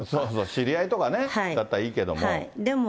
知り合いとかね、だったらいいけども。